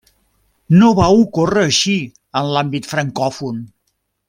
No va ocórrer així en l'àmbit francòfon.